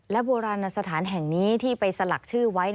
โบราณสถานแห่งนี้ที่ไปสลักชื่อไว้